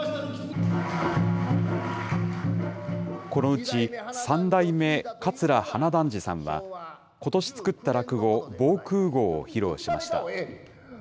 このうち、三代目桂花團治さんは、ことし作った落語、防空壕を披露しました。